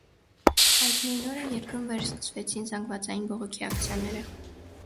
Այդ նույն օրը երկրում վերսկսվեցին զանգվածային բողոքի ակցիաները։